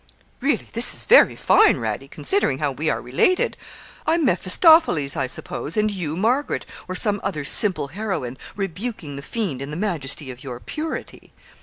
'Really this is very fine, Radie, considering how we are related; I'm Mephistopheles, I suppose, and you Margaret, or some other simple heroine rebuking the fiend in the majesty of your purity.'